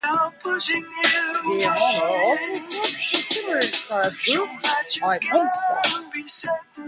Dean Honer also fronts the similarly styled group, I Monster.